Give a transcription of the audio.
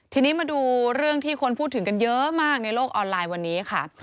ทีนี้มาดูเรื่องที่คนพูดถึงกันเยอะมากในโลกออนไลน์วันนี้ค่ะ